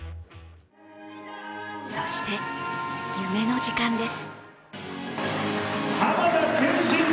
そして夢の時間です。